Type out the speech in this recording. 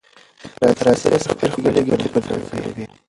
د فرانسې سفیر خپلې ګټې په نښه کړې وې.